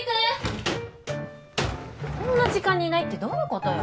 こんな時間にいないってどういうことよ